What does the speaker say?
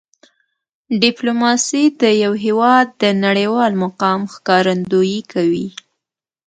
ډیپلوماسي د یو هېواد د نړیوال مقام ښکارندویي کوي.